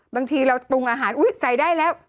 บางทีเราปรุงอาหารอุ๊ยใส่ได้แล้ว